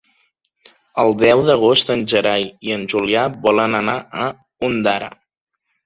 El deu d'agost en Gerai i en Julià volen anar a Ondara.